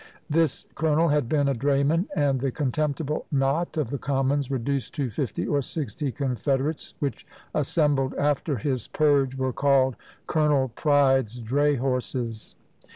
This colonel had been a drayman; and the contemptible knot of the Commons, reduced to fifty or sixty confederates, which assembled after his "Purge," were called "Colonel Pride's Dray Horses."